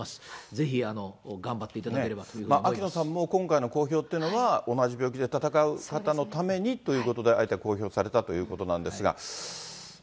ぜひ頑張っていただければという秋野さんも今回の公表というのは、同じ病気で闘う方のためにということで、あえて公表されたということなんですが。